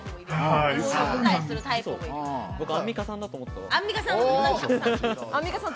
僕、アンミカさんだと思った。